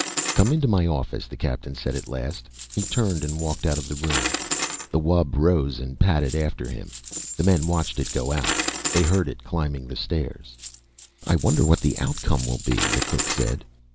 "Come into my office," the Captain said at last. He turned and walked out of the room. The wub rose and padded after him. The men watched it go out. They heard it climbing the stairs. "I wonder what the outcome will be," the cook said.